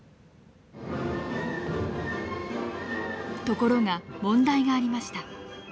ところが問題がありました。